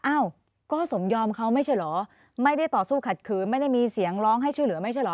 อ้าวก็สมยอมเขาไม่ใช่เหรอไม่ได้ต่อสู้ขัดขืนไม่ได้มีเสียงร้องให้ช่วยเหลือไม่ใช่เหรอ